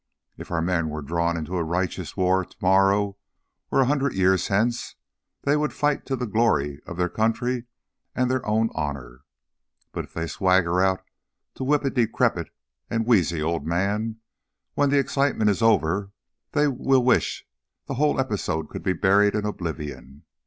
If our men were drawn into a righteous war to morrow or a hundred years hence, they would fight to the glory of their country and their own honour. But if they swagger out to whip a decrepit and wheezy old man, when the excitement is over they will wish that the whole episode could be buried in oblivion.